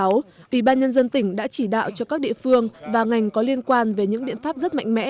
ủy ban nhân dân tỉnh đã chỉ đạo cho các địa phương và ngành có liên quan về những biện pháp rất mạnh mẽ